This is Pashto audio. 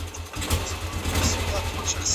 ایا ستا پلار نن په کور کې دی؟